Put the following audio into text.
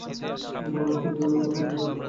রমেন চিঠিখানা পড়লে দুইবার।